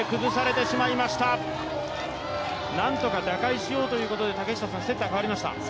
なんとか打開しようということで、セッターが代わりました。